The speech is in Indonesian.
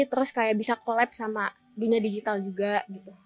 terus kayak bisa collabse sama dunia digital juga gitu